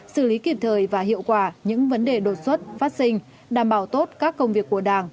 xử lý kịp thời và hiệu quả những vấn đề đột xuất phát sinh đảm bảo tốt các công việc của đảng